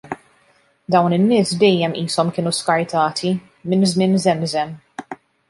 Dawn in-nies dejjem qishom kienu skartati, minn żmien żemżem.